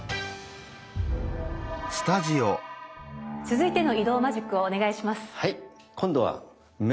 続いての移動マジックをお願いします。